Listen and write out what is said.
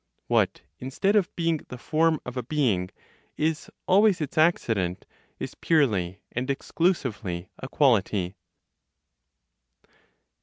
What, instead of being the form of a being, is always its accident, is purely and exclusively a quality.